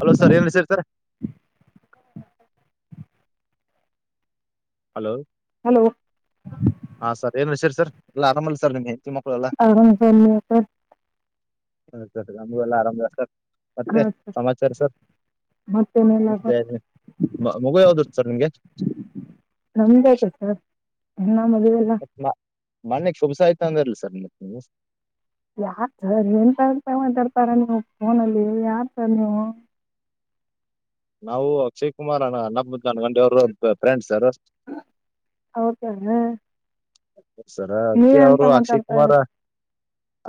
Hello sir ಏನ್ ನಡ್ಸಿರಿ sir hello hello ಹಾ ಸರ್ ಏನ್ ವಿಷರಿ ಸರ್ ಎಲ್ಲ ಆರಾಮಲ್ಲಿ ಸರ್ ನಿಮ್ಗೆ [unintelligible] ಹ ಸರ್ ನಮ್ಗು ಎಲ್ಲ ಆರಾಮ ಸರ್ ಮತ್ತೆ ಸಮಾಚಾರ ಸರ್ ಮತ್ತೇನಿಲ್ಲ ಮತ್ತೆ ಸರ್ ಮಗು ಯಾವ್ದ ಹುಟ್ತು ಸರ್ ನಿಮ್ಗೆ ನಮ್ದ ಆತ ಸರ್ ಇನ್ನ ಮದ್ವೆ ಇಲ್ ಮ ಮೊನ್ನೆ ಕುಭಸ ಇತ್ತು ಅಂದ್ರಲ್ಲ ಸರ್ ಮತ್ತ ನೀವ [unintelligible] ನಾವು ಅಕ್ಷಯ್ ಕುಮಾರ್ ಅಣ್ಣಪ್ಪ ಜನಗಂಡಿ ಅವರು ಫ್ರೆಂಡ್ಸ್ರ ಸರ್ ಹೌದನ ಸರ ಅದ್ಕೆ ಅವರು ಅಕ್ಷಯ್ ಕುಮಾರ ಇದ್ರಿ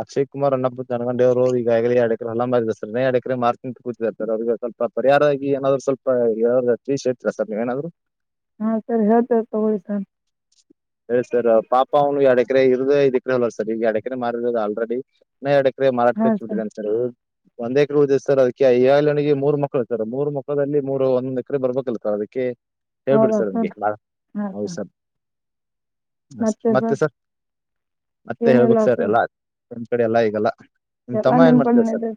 ಅಕ್ಷಯ್ ಕುಮಾರ್ ಅಣ್ಣಪ್ಪ ಜನಗಂಡಿ ಅವರು ಈಗಾಗಲೆ ಎರಡ ಎಕರೆ ಹೊಲ ಮಾರಿದರ್ ಸರ್ ಅವರು ಇನ್ನ ಎರಡು ಎಕರೆ ಹೊಲ ಮಾರ್ತಿನಿ ಅಂತ ಕುಂತಿದಾರ್ ಸರ್ ಅವರಿಗೆ ಸ್ವಲ್ಪ ಪರಿಹಾರವಾಗಿ ಏನಾದ್ರು ಸ್ವಲ್ಪ ಹೇಳ್ಯರ ತಿಳಿಸಿ ಹೇಳ್ತಿರಿ ಸರ್ ನೀವೇನಾದ್ರು. ಹಾ ಸರ ಹೇಳ್ತವಿ ತಗೊರೀ ಸ ಹೇಳಿ ಸರ್ ಪಾಪ ಅವ್ನು ಯಾಡೆಕರೆ ಇರೂದ ಐದ ಎಕರೆ ಹೊಲ ಸರ್ ಈಗ ಯಾಡೆಕರೆ ಮಾರಿರೋದು ಆಲ್ರೆಡಿ ಇನ್ನ ಯಾಡೆ ಕ್ರೆ ಮಾರಾಟಕ್ಕಚ್ಬಿಟ್ಟಿದಾನ್ ಸರ್ ಒಂದ್ ಎಕರೆ ಉಳ್ದಿದೆ ಸರ್ ಅದಕ್ಕೆ ಅಯ್ಯಾಲನಿಗೆ ಮೂರು ಮಕ್ಳು ಸರ್ ಮೂರು ಮಕ್ಕಳದಲ್ಲಿ ಮೂರು ಒಂದ್ ಎಕರೆ ಬರ್ಬೇಕಲ್ಲ ಕ ದಿಕ್ಕೆ ಹೇಳ್ಬಿಡ್ ಸರ್ ಅವ್ನ್ಗೇ ಸರ್ ಹಾ ಸರ್ ಮತ್ತೆ ಸರ್ ಮತ್ತೆ ಹೇಳ್ಬೇಕು ಸರ್ ಎಲ್ಲ ನಿಮ್ ಕಡೆ ಎಲ್ಲ ಈಗೆಲ್ಲಾ ನಿಮ್ಮ ಎಲ್ಲ ತಮ್ಮ ಏನ್ ನಿಮ್ ಮಾಡ್ತಿದಾರೆ ಕಡೆನೇ ಸರ್. ಇದೆ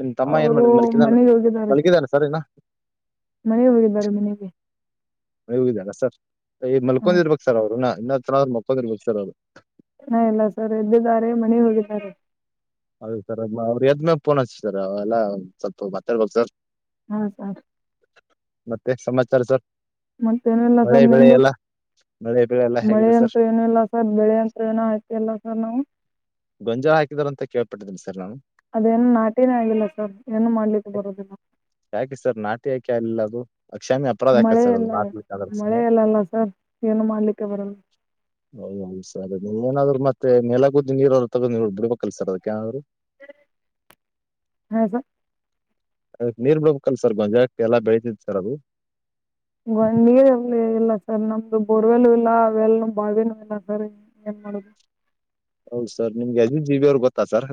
ನಿಮ್ ತಮ್ಮ ಏನ್ ಅವರು ಮಾಡಿದ ಮಲ್ಕಿದಾನ ಮನೆಗೆ ಸರ್ ಹೋಗಿದ್ದಾರೆ ಮಲ್ಗಿದಾನ ಸರ್ ಇನ್ನ. ಮನೆಗೆ ಹೋಗಿದ್ದಾರೆ ಮನೆಗೆ. ಮನೇಲಿದ್ದಾರ ಸರ್ ಈ ಹಾ ಮಲ್ಕೊಂಡಿರ್ಬೇಕು ಸರ್ ಅವ್ರು ಇನ್ನ ಇನ್ನತ್ರ ಮಲ್ಕೊಂಡಿರ್ಬೇಕು ಅವ್ರು ಹಾ ಇಲ್ಲ ಸರ್ ಎದ್ದಿದ್ದಾರೆ ಮನಿಗೆ ಹೋಗಿದ್ದಾರೆ. ಹೌದಾ ಸರ್ ಅವ್ರ ಎದ್ಮೇಲಾ ಪೋನ್ ಹಚ್ಚ್ರಿ ಸರ್ ಅವ ಎಲ್ಲ ಸ್ವಲ್ಪ ಮಾತಾಡ್ಬೇಕ್ ಸರ್. ಹೌ ಸರ್ ಮತ್ತೆ ಸಮಾಚಾರ ಸರ್. ಮತ್ತೇನಿಲ್ಲ ಮಳೆ ಸರ್ ಬೆಳೆ ನಿಮ್ದು. ಎಲ್ಲ ಮಳೆ ಬೆಳೆ ಎಲ್ಲ ಮಳೆ ಹೇಗಿದೆ ಸರ್ ಅಂತು ಏನು ಇಲ್ಲ ಸರ್ ಬೆಳೆ ಅಂತ್ರು ಏನು ಹಾಕಿಲ್ಲ ಸರ್ ನಾವು. ಗೊಂಜಾಳ ಹಾಕಿದ್ರಿ ಅಂತ ಕೇಳ್ಪಟ್ಟಿದ್ನಿ ಸರ್ ನಾನು. ಅದೇನು ನಾಟೀನೇ ಆಗಿಲ್ಲ ಸರ್ ಏನು ಮಾಡ್ಲಿಕ್ಕೆ ಬರುದಿಲ್ಲ. ತ್ತೇಕೆ ಅಲ್ಲದು ಅಕ್ಷಮ್ಯ ಅಪರಾಧ ಅಕ್ಕತ್ ಮಳೆ ಸರ್ ಅದು ಇಲ್ಲ [unintelligible] ಸರ್ ಮಳೆ ಇಲ್ಲಲ್ಲ ಸರ್ ಏನು ಮಾಡ್ಲಿಕ್ಕೆ ಬರಲ್ಲ ಹೌದೌದು ಸರ್ ನೀವ ಏನಾದ್ರು ಮತ್ತೆ ನೆಲಗುದ್ದಿ ನೀರಾದ್ರು ತಗದ ಬಿಡ್ಬೇಕಲ್ಲ ಸರ್ ಅದಕ್ಕೇನಾದ್ರು. [inaudible] ಹಾ ಸರ್ ಅದಕ್ಕ ನೀರ್ ಬಿಡ್ಬೇಕಲ್ ಸರ್ ಗೊಂಜಾಳಕ್ಕ ಎಲ್ಲ ಬೆಳತಿತ್ ಸರ್ ಅದು. [unintelligible] ನೀರ್ ಇರ್ಲೇ ಇಲ್ಲ ಸರ್ ನಮ್ದು ಬೋರ್ವೆಲು ಇಲ್ಲ ಅವೆಲ್ ಬಾವಿನೂ ಇಲ್ಲ ಸರ್. [unintelligible] ಹೌದು ಸರ್ ನಿಮಗೆ ಅಜು ಜೀಬಿ ಅವರು ಗೊತ್ತಾ ಸರ್.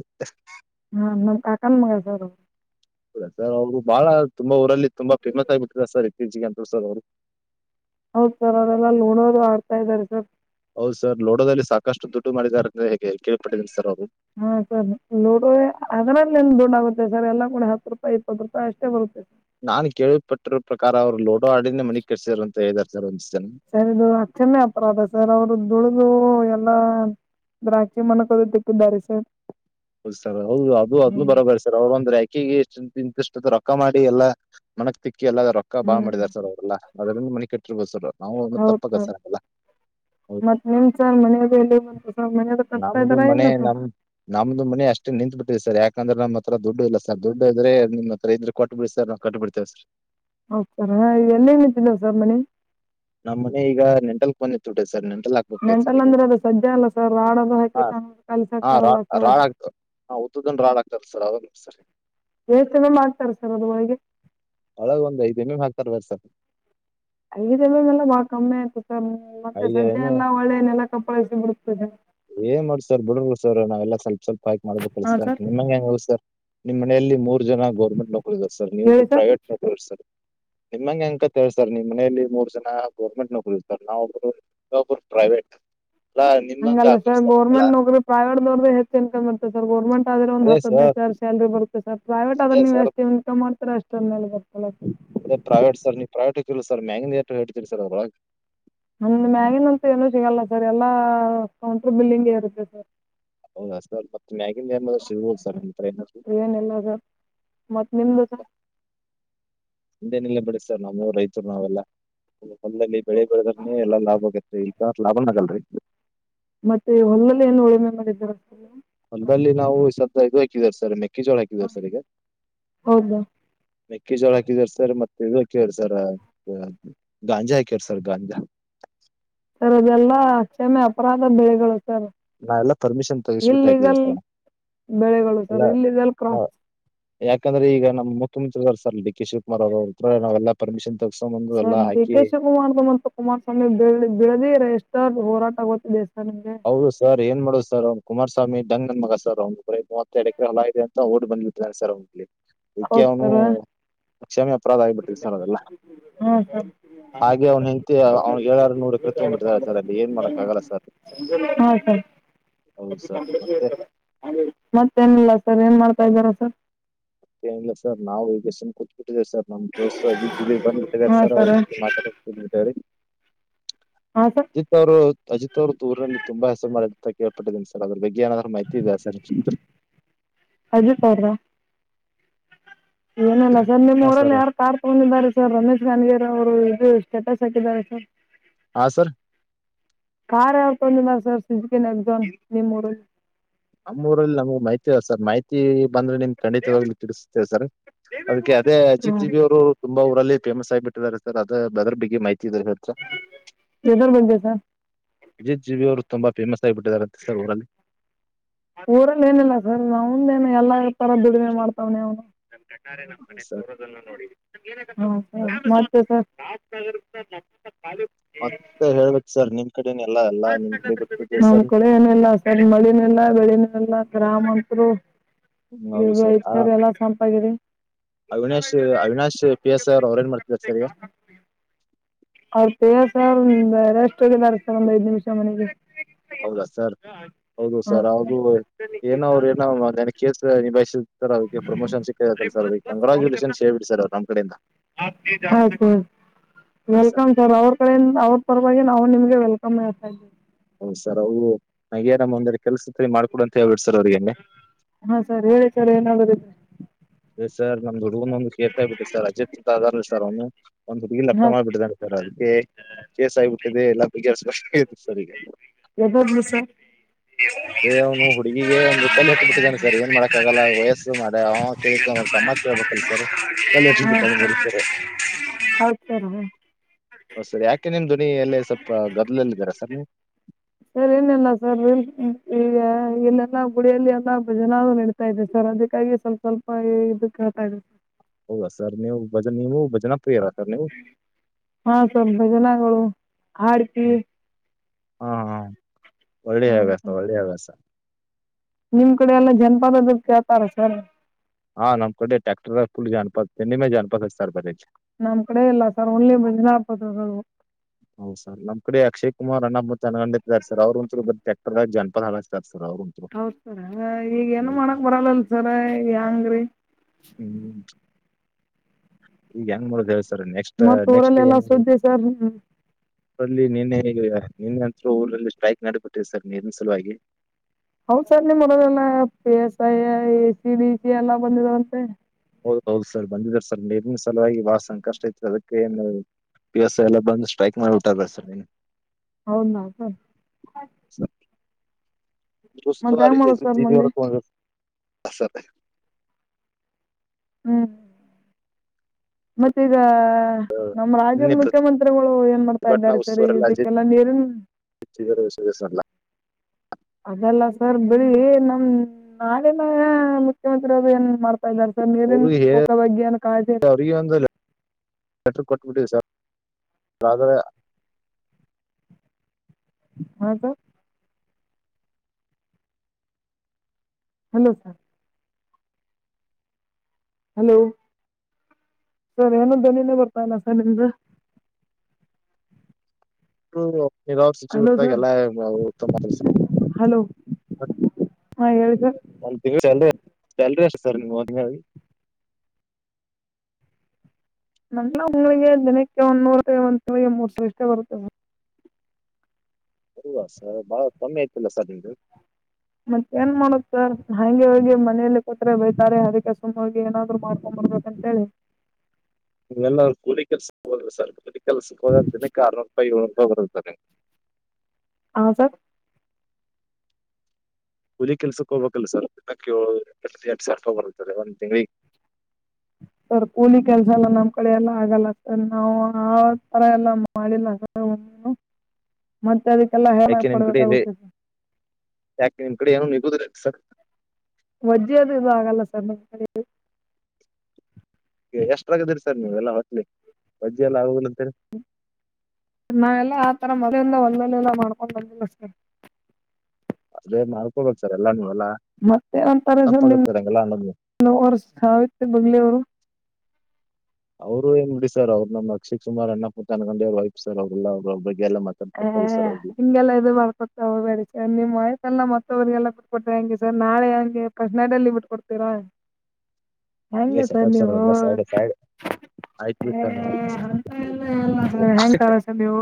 ಹಾ ನಮ್ಮ ಕಾಕನ ಮಗಳಿ ರಿ ಅವರು. ಸರ್ ಅವರು ಬಾಳ ತುಂಬಾ ಊರಲ್ಲಿ ತುಂಬಾ ಫೇಮಸ್ ಆಗಿಬಿಟ್ಟರ ಸರ್ ಇತ್ತೀಚೆಗೆ ಅಂತು ಸರ್ ಅವ್ರು. ಹೌದ್ ಸರ್ ಅವರೆಲ್ಲ ಲೂಡೋ ನು ಆಡ್ತಾ ಇದಾರೆ ಸರ್. ಹೌದ ಸರ್ ಲೋಡೋದಲ್ಲಿ ಸಾಕಷ್ಟು ದುಡ್ಡು ಮಾಡಿದ್ದಾರೆ ಅಂದ್ರೆ. ಹಾ ಸರ್ ಲೋಡೋ [unintelligible] ಅಂದ್ರು ನಾವು. ಸರ್ ಎಲ್ಲ ಕೂಡಿ ಹತ್ತ ರೂಪಾಯಿ ಇಪ್ಪತ್ತ ರೂಪಾಯಿ ಅಷ್ಟೇ ಬರ್ತೈತಿ. ನಾನ್ ಕೇಳಳ್ ಪಟ್ಟಿರ ಪ್ರಕಾರ ಅವರ ಲೂಡೋ ಆಡಿನೇ ಮನಿ ಕಟ್ಸಿದರ ಅಂತ ಹೇಳಿದರ ಸರ್ ಅವರು. ಸರ್ ಇದು ಆತಮ್ಯ ಅಪರಾಧ ಸರ್ ಅವರು ದುಡ ದು ಎಲ್ಲಾ ದ್ರಾಕ್ಷಿ ಮನಕದು ತಿಂದಾರಿ ಸರ್. ಹೌದು ಸರ್ ಹೌದು ಅದು ಅದ್ಲು ಬರಬರಿ ಸರ್ ಅವ್ರ ಒಂದ್ ರಾಂಕ್ ಕಿಗ್ [unintelligible] ಇಂತಿಸ್ಟ್. ರೊಕ್ಕ ಮಾಡಿ ಎಲ್ಲ ಮನಕ್ ತಿಕ್ಕಿ ಎಲ್ಲ ರೊಕ್ಕ ಬಾಳ ಮಾಡಿದಿದ್ದಾರೆ ಸರ್ ಅವರೆಲ್ಲ ಅದರಿಂದ ಮನಿ ಕಟ್ಟಿರಬಹುದ ಸರ್. ನಾವು ಒಂದು ಹೌದ ತಪ್ಪಕ ಸರ್ ಎಲ್ಲ ಹೌದು ಮತ್ತ ನಿಮ್ದು ಸರ್ ಮನೆ ಬಗ್ಗೆ ಎಲ್ಲಿಗೆ ಬಂತು. ಸರ್ ಮನೆಯದು ಕಟ್ತಾ ನಮ್ದು ಇದ್ದಾರಾ ಮನೆ ಇಲ್ಲ ಸರ್ ನಮ ನಮ್ದು ಮನೆ ಅಷ್ಟೇ ನಿಂತುಬಿಟ್ಟಿತ್ತು. ಸರ್ ಯಾಕಂದ್ರ ನಮ್ಮ ಹತ್ರ ದುಡ್ಡು ಇಲ್ಲ ಸರ್ ದುಡ್ಡ ಇದ್ದರೆ ನಿಮ್ಮ ಹತ್ರ ಇದ್ರ ಕೊಟ್ಟ ಬಿಡಿ ಸರ್ ನಾವು ಕಟ್ಟ ಬಿಡ್ತೀವಿ ಸರ್. ಹೌದು ಸರ್ ಎಲ್ಲೇನ ಇದಿದ್ದಿಲ್ಲ ಸರ್ ಮನಿ. ನಮ್ಮ್ ಮನೆ ಈಗ ನೆಂಟಲ್ಕ್ ಬಂದ ನಿಂತ ಬಿಟ್ಟೈತಿ ಸರ್ ನಮ್. ನೆಂಟಲ್ಲ ಅಂದ್ರೆ ಅದು ಸಜ್ಯ ಅಲ್ಲ ಸರ್ ರೊಡ್ ಅದು ಹಾ ಹಾಕಿರ್ತಾರೆ [unintelligible] ಹಾ ರಾ ಸರ್ ರಾಡ್ ಅದು. ಹಾಕ್ತ ಹಾ ಉದ್ದುದ ಅಂದ ರೊಡ್ ಹಾಕ್ತಾರಲ್ಲ ಸರ್ ಅವ ಅಲ್ಲ ಸರ್. ಎಏ ಚನ್ನ ಮಾಡ್ತಾರೆ ಸರ್ ಅದ್ರೊಳಗೆ. ಹಾಕ್ತರಲ್ಲ ಸರ್. ಐದ ಎಲ್ಲೋ ಮೆಲ್ಲ ಬಾಳ ಕಮ್ಮಿ ಆಯ್ತು ಸರ್ ಮತ್ತೆ ಐದ್ ಎಂ ಸಜ ಎಂ ಎಲ್ಲ ಒಳ್ಳೆ ನೆಲ ಕಪ್ಪಳಿಸಿ ಬಿಡ್ತದೆ. ಏನ್ ಮಾಡ್ ಸರ್ ಬಿಡುನು ಸರ್ ನಾವೆಲ್ಲ ಸ್ವಪ ಸ್ವಲ್ಪ ಹಾಕಿ ಮಾಡ್ಬೇಕ ಅಲ್ಲ ಸರ್ ನಿಮ್ ಹಂಗ್ ಹೆಂಗ್ [unintelligible] ಸರ್. ನಿಮ್ಮ್ ಮನೆಯಲ್ಲಿ ಮೂರ್ ಜನ ಗೌರ್ಮೆಂಟ್ ನೌಕರಿ ಇದಾರ ಸರ್ ನೀವು ಒಬ್ರು ಪ್ರೈವೇಟ್ ನೌಕರಿ ಅವರ ಸರ್. ನಿಮ್ಮಂಗ್ ಹ್ಯಾಂಗ್ ಆಗತೈತಿ ಹೇಳಿ ಸರ್ ನಿಮ್ ಮನಲಿ ಮೂರ್ ಜನ ಗೌರ್ಮೆಂಟ್ ನೌಕರಿ ಇರ್ತಾರ್ ನಾವ ಒಬ್ಬರ ರಿನಾ ಒಬ್ರ ಪ್ರೈವೇಟ್. ಅಲ್ಲ ನಿಮಂಗ. ಹಂಗಲ್ಲ ಸರ್ ಗೋರ್ಮೆಂಟ್ ನೌಕ್ರಿ ಪ್ರವಟ್ ನೋರ್ದಾ ಹೆಚ್ಚ ಇನ್ಕಮ್ ಇರ್ತದ ಸರ್ ಗರ್ಮೆಂಟ್ ಆದ್ರ ಒಂದ ಅದೇ ಹತ್ತ ಹದಿನೈದ ಸರ್ ಸಾವಿರ ಸ್ಯಾಲರಿ ಬರತ. ಸರ್ ಪ್ರೈವೇಟ್ ಆದ್ರ ಅದೇ ನೀವು ಸರ್ ಎಷ್ಟು ಇನ್ಕಮ್ ಮಾಡ್ತರ ಅಷ್ಟ [unintelligible] ಮೇಲೆ ಬರ್ತಲ್ಲ ಸರ್. ಅದೇ ಪ್ರೈವೇಟ್ ಸರ್ ನೀವು ಪ್ರೈವೇಟ ಇಲ್ ಸರ್ ಮ್ಯಾಗಿಂದ ಏಟ್ ಎಟ್ ತೀರಿ ಸರ್ ಆದ್ರ ಒಳಗ. ನಮ್ಮದ ಮ್ಯಾಗಿಿನ ಅಂತ ಏನೂ ಸಿಗಲ್ಲ ಸರ್ ಎಲ್ಲಾ ಕೌಂಟರ್ ಬಿಲ್ಲಿಂಗ್ ಇರುತ್ತೆ ಸರ್. ಹೌದಾ ಸರ್ ಮತ್ತ ಮ್ಯಾಗಿಂದ ಏನ ಮಾಡಿರ ಸಿಗಬಹುದ ಸರ್ ನೀವ್ [unintelligible] ಮಾಡ್ರು. ನಿಮ್ಬದ. ನಮ್ದೇನ್ ಇಲ್ಲ ಬಿಡಿ ಸರ್ ನಮ್ಮ ಊರ ರೈತರ ನಾವೆಲ್ಲಾ ಹೊಲದಲ್ಲಿ ಬೆಳೆ ಬೆಳೆದ್ರನೆ ಎಲ್ಲಾ ಲಾಭ ಆಗತ್ತೆ. ಅಟ್ಟ ಲಾಭನ ಆಗಲ್ರಿ. ಮತ್ತೆ ಹೊಲದಲ್ಲಿ ಏನು ಉಳುಮೆ ಮಾಡಿದ್ದೀರಾ. ಸರ್ ಹೊಲದಲ್ಲಿ ನಾವು ಸ್ವಲ್ಪ ಇದು ಹಾಕಿದೀವಿ ಸರ್ ಮೆ. ಕ್ಕಿ ಜೋಳ ಹಾಕಿದ್ದೆವ ಸರ್ ಈಗ. ಹೌದಾ ಮೆಕ್ಕೆಜೋಳ ಹಾಕಿದ್ವ ಸರ್ ಮತ್ತೆ ಇದು ಹಕ್ಕೆವ ಸರ್ ಗಾಂಜಾ ಹಾಕೆವ ಸರ್ ಗಾಂಜಾ. [inaudible] ಸರ್ ಆದ ಎಲ್ಲಾ ಅಕಕ್ಷಷಮೆ ಅಪರಾಧ ಬೆಳೆಗಳು. ಸರ್ ನಾವು ಎಲ್ಲ ಪರ್ಮಿಷನ್ ತಗಸ ಬಿಟ್ಟೆ ಹಾಕಿದೇವ ಇಲ್ಲಿಗಲ್ ಸರ್ ನಾವ್. ಬೆಳೆಗಳು ಸರ್ ಇಲ್ಲಿದೆ ಎಲ್ ಕ್ರಾತ. ಯಾಕಂದ್ರ ಈಗ ನಮ್ಮ ಮುಖ್ಯಮಂತ್ರಿಗಳ ಸರ್ ಡಿ. ಕಿಶಿವ ಕುಮಾರ್ ಅವ್ರ್ರ ನಾವೆಲ್ಲಾ ಪರ್ಮಿಷನ್ ತಗಸಕೊಂಡ ಬಂದು ಸರ್ ಎಲ್ಲಾ ಡಿ ಹಾಕಿ. ಬಿಡದಿ ರಜಿಸ್ಟರ್ ಹೋರಾಟ ಗೊತ್ತಿದೆ. ಸರ್ ನಿಮಗೆ ಹೌದು ಸರ್ ಏನ್ ಮಾಡುದು ಸರ್ ಅವ ಕುಮಾರ್. ಸ್ವಾಮಿ ದೆಂಗ್ ನನ್ನ ಮಗ ಸರ್ ಅವನು ಬರೇ ಮೂವತ್ತ ಎರಡು ಎಕರೆ ಹೊಲ ಇದೆ ಅಂತ ಓಡ್ ಬಂದ್ ಬಿಟ್ಟಿದ್ದಾನೆ ಸರ್ ಅವನ ಇಲ್ಲಿ. ಇಕ್ಕೆ ಹೌದು ಅವನು. ಸರ್ ಲಕ್ಷಷಾಮಿ ಅಪರಾಧ ಆಗಿಬಿಟ್ಟಿ ಸರ್ ಅದೆಲ್ಲ ಹ್ಞೂ ಸರ್ ಹಾಗೆ ಅವ್ನ್ ಹೆಂಡ್ತಿ ಅವ್ ಏಳರ್ ನೂರ ಕತ್ಕಗ್ ಬೀತಿದಳೆ ಸರ ಅಲ್ಲಿ ಏನ್ ಮಾಡಕಕ್ಕಾಗಲ್ಲ ಸರ್ ಹಾ ಸರ್ ಹೌದು ಸರ್ ಮತ್ತೆ ಮತ್ತೇನಿಲ್ಲ ಸರ್ ಮಾಡ್ತಾ ಇದ್ದೀರಾ ಸರ್ ಎನ್ನಿಲ ಸರ್ ನಾವು ಎಜುಕೇಷನ್ ಕುತ್ಬಿ ಸರ್ ನಮ್ ದೋಸ್ಸ ಅಜಿತ್ ಬಂದಿ ನಿಂತಿದರ ಸರ್ ಅವ್ರ ಮಾತಾಡಕ ಹೋಗಿದೆ ರಿ ಹಾಂ ಸರ್ ಅಜಿತ್ ಅವರು ಅಜಿತ್ ಅವ್ರ ಊರನಲ್ಲಿ ತುಂಬಾ ಹೆಸರು ಮಾಡಿದ ಕೇಳ್ಪಟ್ಟಿದೀನ ಸರ್ ಅದ್ರ ಬಗ್ಗೆ ಏನಾದ್ರೂ ಮಾಹಿತಿ ಇದೆಯಾ ಸಾರ್ ಅಜಿತ್ ಏನಲ್ಲ ಸರ್ ನಿಮ್ ಹಾ ಊರಲ್ಲಿ ಸರ್ ಯಾರ ಕಾರ್ ತಗೊಂಡಿದ್ದಾರೆ ಸರ್ ರಮೇಶ್ ಗನ್ಗಿರ್ ಅವರು ಇದು ಸ್ಟೇಟಸ್ ಹಾಕಿದ್ದಾರೆ ಸರ್, ಹಾ ಸರ್ ಕಾರ್ ಯಾವುದು ತೊಗೊಂಡಿದರೆ ಸರ್ ಸುಜುಕಿ ನೆಕಾನ್ ಕ್ಲೇ ಮಾಡೆಲ್ ನಮ್ಮೂಊರಲ್ಲಿ ನಮಗಗೆ ಮಾಹಿತಿ ಇಲ್ಲ ಅ ಸರ್ ಮಾಹಿತಿ ಬಂದ್ರೆ ನಿಮ್ ಖಂಡಿತವಾಗ್ಲಿ ತಿಳಿಸತೇವೆ ಸರ್ ಅದಕ್ಕೆ ಅದೇ ಅಜಿತ್ ಹ್ಞೂ ಜಿ ಬಿ ಅವರು ತುಂಬಾ ಊರಲ್ಲಿ ಫೇಮಸ್ ಆಗಿ ಬಿಟ್ಟಿದ್ದಾರೆ ಸರ್ ಅದ ಅದ್ರ ಬಗ್ಗ ಮಾಹಿತಿ ಇದ್ರ ಬಗ್ಗೆ ಸರ್ ಅಜಿತ್ ಜಿ ಬಿ ಅವರು ತುಂಬಾ ಫೇಮಸ್ ಆಗಿಬಿಟ್ಟಿದಿದ್ದಾರೆ ಸರ್ ಊರಲ್ಲಿ ಊರಲ್ಲಿ ಏನಿಲ್ಲ ಸರ್ ಅವಂದ್ ಏನು ಎಲ್ಲ ತರ ದುಡಿಮೆ ಮಾಡ್ತವನಿ ಅವನು ಸರ್ [unintelligible] ಸ ಮತ್ತೆ ಹೇಳ್ಬೇಕು ಸರ್ ನೀವು ನಮ್ ಕಡೆ ಏನಿಲ್ಲ ಸರ್ ಮಳಿನು ಇಲ್ಲಾ ಬೆಳಿನು ಇಲ್ಲಾ ಗ್ರಾಮಂತರು ಇಗ ಹೌದು ಸರ್ ಆ ಇತರು ಎಲ್ಲ ಸಂಪ ಆಗಿದೇವಿ Avinash Avinash P S I ಅವ್ರ ಏನ್ ಮಾಡ್ತಿದ್ದಾರೆ ಸರ್ ಈಗ ಅವ್ರ ಪಿಎಸ್ಐ ಸರ್ ಒಂದ್ ರೆಸ್ಟ್ ಹೋಗಿದ್ದಾರೆ ಸರ್ ಒಂದ್ ಐದ್ ನಿಮಿಷ ಮನೆಗೆ ಹೌದಾ ಸರ್ ಹೌದು ಸರ್ ಹೌದು ಏನ ಅವ್ರು ಏನ ನನ ಕೇಸ ನಿಭಾಯಸ ಸರ್ ಅವ್ರಿಗೆ ಪ್ರಮೋಷನ್ ಸಿಕ್ಕತ್ತಲ್ಲ ಸರ್ ಅವ್ರ ಕಂಗ್ರಾಚುಲೇಷನ್ಸ್ ಹೇಳ್ಬೇಡಿ ಸರ್ ನಮ್ಮ್ ಕಡೆಯಿಂದ ಆಯ್ತು ಆ ವೆಲ್ಕಮ್ ಸರ್ ಅವ್ರ ಕಡಿಂದ ಅವ್ರ ಪರವಾಗಿ ನಾವು ನಿಮ ವೆಲ್ಕಾಮ್ ಹೇಳ್ತಾ ಇದೀವಿ ಸರ್ ಹೌದ ಸರ್ ಅವ್ರು ಹಂಗೆ ನಂದ ಒಂದರೆಡೂ ಕೆಲ್ಸ ಮಾಡ್ಕೊಡ ಅಂತ ಹೇಳಬಿಡು ಹಾ ಸರ್ ಹೇಳಿ ಸರ್ ಏನಾದರು ಅದ್ ಸರ್ ನಮ್ ಹುಡ್ಗನ ಒಂದ್ ಕೇಸ ಆಗಿ ಬಿಟದೇ ಸರ್ ಅಜಿತ್ ಅಂತ ಅದೇನ್ ಸರ್ ಅವ್ನು ಒಂದ್ ಹುಡುಗಿ ಹಾ ಲಪ್ಡಾ ಮಾಡಿಬಿಟಿಡನೆ ಸರ್ ಅದಕ್ಕೆ ಕೇಸ್ ಆಗಬಿಟ್ಟಿದೆ ಎಲ್ಲ ಬಗೆ ಹರಿಸ ಬೇಕಾಗಿದೆ ಸಾರ್ ಈಗ ಹೌದು ಸರ್ ಅದೇ ಅವ್ನು ಹುಡುಗ ಒಂದು ಕಲ್ಲಿು ಹಟ್ಟಿ ಬಿಟ್ಟಿದ್ದಾನೆ ಸರ್ ಏನ್ ಮಾಡಕ್ಕ ಆಗಲ್ಲ ವಯಸ್ಸು ಮಾಡ್ಯ ಅವ ಕೇಳಿಕ ಅವ ತಮ್ಮ ಕೇಳ್ಬೇಕಲ್ಲ ಸರ್ ಕಲ್ಲು ಇಟ್ಟ ಬಿಟ್ಟಾನ ಬರೀ ಸರ್ [unintelligible] ಯಾಕೆ ಸರ್ ನಿಮ್ ಧ್ವನಿ ಎಲ್ಲ ಸ್ವಲ್ಪ ಗದಲಲ್ಲಿದ್ದೀರಾ ಸರ್ ನೀವು ಸರ್ ಏನಲ್ಲ ಸರ್ ಈಗ ಇಲ್ಲೆಲ್ಲಾ ಗುಡಿಯಲ್ಲಿ ಎಲ್ಲಾ ಭಜನಾ ನಡೀತಾ ಇದೆ ಸರ್ ಅದಕ್ಕಾಗಿ ಸ್ವಲ್ಪ ಸ್ವಲ್ಪ ಇದ ಕೇಳ್ತಾ ಇದೆ ಹೌದಾ ಸರ್ ನೀವು ಭಜ ನೀವುೂ ಭಜನಾ ಪ್ರಿಯರ ಸರ್ ನೀವು ಹಾ ಸರ್ ಭಜನಗಳು ಆರತಿ ಹಾ ಹಾ ಒಳ್ಳೆ ಹಭ್ಯಾಸ ಹ್ಮ್ ಒಳ್ಳೆ ಹಭ್ಯಾಸ ನಿಮ್ ಕಡೆ ಎಲ್ಲ ಜನಪದ ಅದು ಕೇಳ್ತಾರೆ ಸರ್ ಹಾ ನಮ್ ಕಡೆ ಟ್ಯಾಕ್ಟರ್ ಫುಲ್ ಜನಪದ ನಿಮೆ ಜನಪಾದ ಸರ್ ಬರ ನಮ್ ಕಡೆ ಇಲ್ಲ ಸರ್ ಒನ್ಲಿ ಬಜನಾ ಪದಗಳು ಜನ್ನರ್ ಸರ್ ಅವ್ರ ಒಂದ ಟ್ರಾಕ್ಟರ್ ಜನಪದ ಹಾಡ ಹಚ್ತಾರ್ ಹೌದ ಸರ ಈಗ ಏನ್ ಮಾಡಕ್ ಬರಲ್ಲಲ್ ಸರ ಹೆಂಗ್ರೀ [unintelligible] ಈಗ ಹೆಂಗ್ ಮಾಡೋದು ಹೇಳಿ ಸರ್ ನೆಕ್ಸ್ಟ್ ಮತ್ತ ಊರಲ್ಲ ಎಲ್ಲಾ ಸುದ್ದಿ ಸರ್ ಲ್ಲಿ ನಿನ್ನೆ ನಿನ್ನೆ ಹಂತೂ ಊರಲ್ಲಿ ಸ್ಟ್ರೈಕ್ ನಡಬಿಟ್ಟಿದೆ ಸರ್ ನೀರಿನ ಸಲುವಾಗಿ ಹೌದ ಸರ್ ನಿಮ್ ಹೊರದೆಲ್ಲ P S I A C D C ಎಲ್ಲ ಬಂದರಂತೆ ಹೌದ್ ಹೌದು ಸರ್ ಬಂದಿದರ್ ಸರ್ ನಿರ್ನ್ ಸಲುವಾಗಿ ಬಾಳ್ ಸಂಕಷ್ಟ ಇತ್ತು ಸರ್ ಅದಕ್ಕೆ ಪಿ ಎಸ್ ಐ ಎಲ್ಲ ಬಂದು ಸ್ಟ್ರೈಕ್ ಮಾಡಿಬಟ್ಟಾರ್ರ ಸರ್ ಹೌದ ಮಾಡೋದ್ ಸರ್ ಮಂದಿ [unintelligible] ಹ್ಮ್ ಮತ್ತೆ ಈಗ ನಮ್ಮ್ ರಾಜ್ಯದ ನಿನ್ನೆ ಮುಖ್ಯಮಂತ್ರಿಗಳು ಏನ್ ಮಾಡ್ತಾ ಪ್ರತಿಭಟನಾ ಇದಾರೆ ಸರಿ ಉಸ್ತುವಾರೆಲ್ಲ ಅಜಿತ್ ಇದಕ್ಕೆಲ್ಲಾ ನೀರಿನ್ [unintelligible] ಅದೆಲ್ಲ ಸರ್ ಬಿರಿ ನಮ ನಾಡಿನ ಮುಖ್ಯಮಂತ್ರಿ ಅವ್ರ ಏನ್ ಮಾಡ್ತ ನೀರಿನ ಅವ್ರು ಹೇ- ಬಗ್ಗೆ ಕಾಳಜಿ ಅವ್ರಿಗೆ ಒಂದು [unintelligible] ಹಾ sir hello sir hello sir ಏನ ದ್ವನಿನೆ ಬರ್ತಾ ಇಲ್ಲ ಸರ್ ನಿಮ್ದ ನೀರಾವ ಹಲೋ ಸಚಿವ್ದಾಗ ಸರ್ ಎಲ್ಲ ತಂಬ ಕೆಲ್ಸ ಹಾ ಹೇಳಿ ಸರ್ ಸ್ಯಾಲರಿ ಎಷ್ಟು ಸರ್ ನಿ ಒಂದ ನಲ್ಲ ಉಂಗಗೆ ಜನಕ್ಕೆ ಒಂದೂರು ಒಂದಿಗೆ ಮೂರ್ ಸಾವಿ ಇಷ್ಟೇ ಬರುತ್ತದೆ ಹವಾ ಸರ್ ಬಾಳ ಕಮ್ಮಿ ಆಯ್ತಲ್ಲ ಸರ್ ನಿಮ್ದು ಮತ್ತ ಏನ್ ಮಾಡುತ್ತ ಹಂಗೆ ಹೋಗಿ ಮನಲಿ ಕೊತ್ರೆ ಬೈತಾರೆ ಅದಕ್ಕೆ ಸು್ ಹೋಗಿ ಏನಾದ್ರು ಮಾಡ್ಕೊಂಡ ಅಂತ ಹೇಳಿ ಲ್ಲ ಅವರು ಕೂಲಿ ಕೆಲ್ಸ ಹೋ ಸರ್ ಕೂಲಿ ಕೆಲ್ಸ ಹೋದ ಅಂತ ಕಾರಣಪಾಯಿ [unintelligible] ಹ ಸರ್ ಹುಲಿ ಕೆಲ್ಸಕ್ಕೆ ಹೋಗ್ಬೇಕಲ್ಲ ಸರ್ಕ್ಕೆ ಸರ್ಕ ಬರ್ತಾರೆ ಒಂದ್ ತಿಂಗಳಿಗೆ [unintelligible] ಸರ್ ಕೂಲಿ ಕೆಲ್ಸ ಎಲ್ಲ ನಮ್ ಕಡೆ ಎಲ್ಲ ಆಗಲ್ಲ ಸರ್ ನಾವು ಆ ತರ ಎಲ್ಲಾ ಮಾಡಿಲ್ಲ ಮತ್ತೆ ಅದ ಯಾಕೆ ನಿಮ್ ಕಡೆ ಇಲ್ಲಿ ಯಾಕೆ ನಿಮ್ ಕಡೆ ಏನ ನಿಗುದ್ರೆ ಒಜ್ಜ ಅದು ಇದು ಆಗಲ್ಲ ಸರ್ ನಿಮ್ಮ ಎಷ್ಟ ಆಗದಿರಿ ಸರ್ ನೀವು ಎಲ್ಲಾ ಹೋಟ್ಲಿ ಬಜ್ಜ ಎಲ್ಲ ಆುದ ನಾವೆಲ್ಲ ಆತರ ಮದಿಂದ ಲ್ಲ ಮಾಡಕೊಂಡ ಅದೇ ಮಾಡ್ಕೊಬೇಕ ಸರ್ ಎಲ್ಲ ನೀವೆಲ್ಲಾ ತಪ್ಪಾಗತರಂಗಗೆಲ್ಲ ನವು ಸಾವೆ ಬಂಗಲೆ ಅವರು ಅವ್ರು ಏನ್ ಬಿಡಿ ಸರ್ ಅವ್ರು ನಮ್ಮ ಅಕ್ಷಿಕ್ ಸುಮಾರು ಎನ್ನಪ್ಪತ್ತತ್ನ್ನ ಗಂ ವೈ ಸರ್ ಅವ್ರಲ್ಲಬ್ ಬ ಹ ಹಿಂಗೆಲ್ಲ ಇದು ಮಾಡ್ಕೊತಾವ ಬೇಡ ನಿಮ ವಯಸ್ಸ ಎಲ್ಲ ಮತ್ತೊವರಿಗೆಲ್ಲ ಬಿಟ್ ಕೊೊಟ್ರಿ ಹಂಗೆ ಸರ್ ನಾಳೆ ಹಂಗೆ ಕಶನಾಡಲ್ಲಿ ಬಿಟ್ಕ ಕೊಡ್ತೀರಾ. ಹಂಗೆ ಹೆಂಗಸರ್ ಸೆಟಪ್ ಸರ್ ನೀವು ಅವ್ರೆಲ್ಲ ಸೈಡ್ ಸೈಡ್ ಆಯ್ತು ಹ ಬಿಡಿ ಸರ್ ನಾವು ಹೆಯಾಂಗ ಕಸ ನೀವು